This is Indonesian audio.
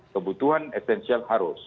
kebutuhan esensial harus